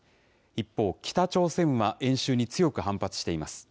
一方、北朝鮮は演習に強く反発しています。